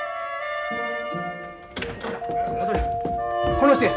この人や。